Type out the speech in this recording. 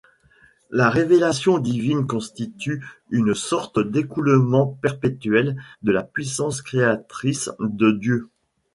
La révélation divine constitue une sorte d’écoulement perpétuel de la puissance créatrice de Dieu.